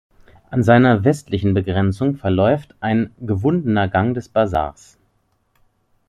An seiner westlichen Begrenzung verläuft ein gewundener Gang des Basars.